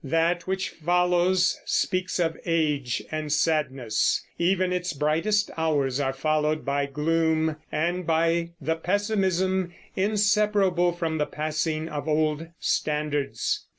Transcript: That which follows speaks of age and sadness; even its brightest hours are followed by gloom, and by the pessimism inseparable from the passing of old standards.